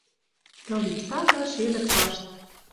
Тылип сага шелӹк вашт